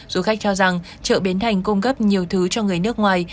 du khách cho rằng chợ bến thành cung cấp nhiều thứ cho người nước ngoài